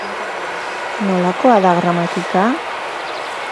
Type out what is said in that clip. Nolakoa da gramatika?